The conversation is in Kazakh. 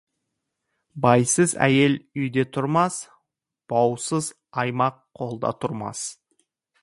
Байсыз әйел үйде тұрмас, баусыз оймақ қолда тұрмас.